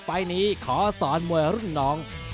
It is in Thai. ไฟล์นี้ขอสอนมวยรุ่นน้อง